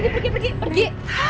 pergi pergi pergi